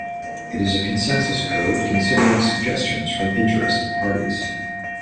It is a consensus code considering suggestions from interested parties.